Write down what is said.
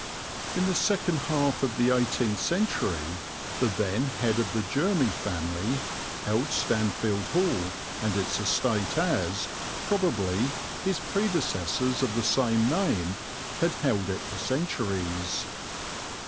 In the second half of the eighteenth century the then head of the Jermy family held Stanfield Hall and its estate as, probably, his predecessors of the same name had held it for centuries.